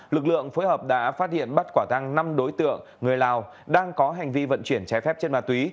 lực lượng phối hợp đã phát hiện bắt quả tăng năm đối tượng người lào đang có hành vi vận chuyển trái phép chất ma túy